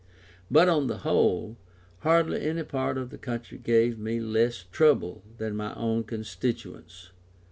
But, on the whole, hardly any part of the country gave me less trouble than my own constituents.